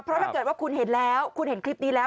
เพราะถ้าเกิดว่าคุณเห็นแล้วคุณเห็นคลิปนี้แล้ว